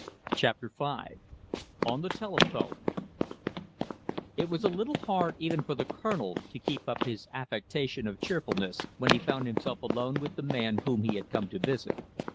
CHAPTER V ON THE TELEPHONE It was a little hard even for the Colonel to keep up his affectation of cheerfulness when he found himself alone with the man whom he had come to visit.